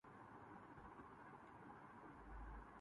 اللہ سے کرے دور ، تو تعلیم بھی فتنہ